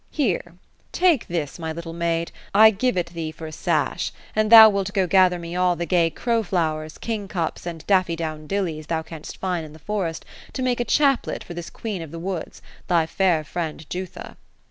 '^ Here, take this, my little maid ; I give it thee for a sash, an thou wilt go gather me all the gay crow flowers, king cups, and daffydowndillies thou canst find in the forest, to make a chaplet for this queen of the woods, — thy fair friend Jutha."